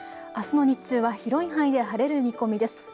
あすの日中は広い範囲で晴れる見込みです。